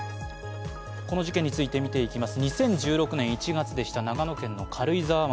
この事件について見ていきます。